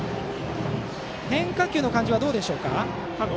変化球の感じはどうでしょう。